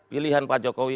pilihan pak jokowi